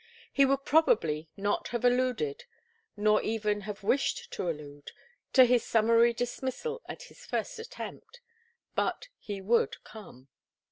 He would probably not have alluded, nor even have wished to allude, to his summary dismissal at his first attempt. But he would come.